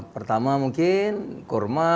pertama mungkin kurma